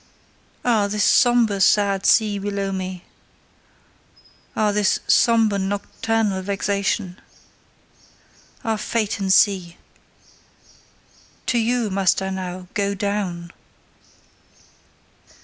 Ah, this sombre, sad sea, below me! Ah, this sombre nocturnal vexation! Ah, fate and sea! To you must I now GO DOWN!